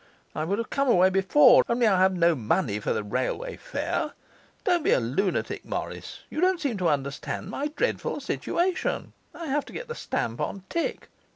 I would have come away before, only I have no money for the railway fare. Don't be a lunatic, Morris, you don't seem to understand my dredful situation. I have to get the stamp on tick.